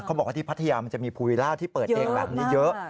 บอกว่าที่พัทยามันจะมีภูวิล่าที่เปิดเองแบบนี้เยอะ